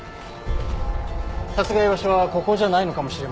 殺害場所はここじゃないのかもしれませんね。